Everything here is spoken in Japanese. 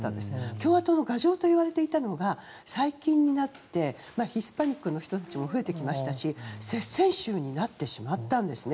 共和党の牙城と言われていたのが最近になってヒスパニックの人も増えてきましたし接戦州になってしまったんですね。